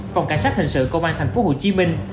phòng cảnh sát hình sự công an thành phố hồ chí minh